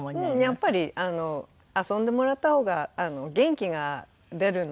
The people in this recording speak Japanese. やっぱり遊んでもらった方が元気が出るので彼は。